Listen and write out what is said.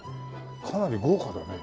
かなり豪華だね。